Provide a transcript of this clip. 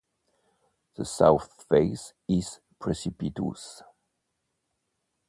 The South Face is precipitous.